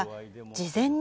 事前に？